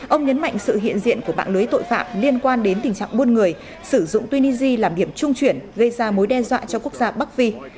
ông nhấn mạnh sự hiện diện của mạng lưới tội phạm liên quan đến tình trạng buôn người sử dụng tunisia làm điểm trung chuyển gây ra mối đe dọa cho quốc gia bắc phi